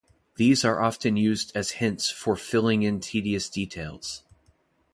These are often used as hints for filling in tedious details.